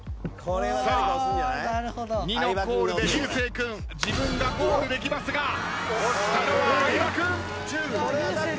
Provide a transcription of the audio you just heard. ２のコールで流星君自分がゴールできますが押したのは相葉君！